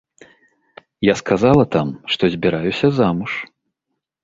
Я сказала там, што збіраюся замуж.